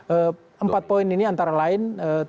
empat poin ini antara lain